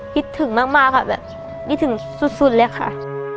คิดถึงมากค่ะแบบคิดถึงสุดเลยค่ะ